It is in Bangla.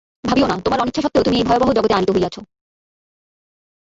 ভাবিও না, তোমার অনিচ্ছাসত্ত্বেও তুমি এই ভয়াবহ জগতে আনীত হইয়াছ।